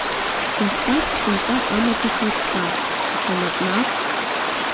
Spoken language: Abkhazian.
Иаҳҳәап, сынтәа амаҭәахә рԥшаап, аха наҟ-наҟ?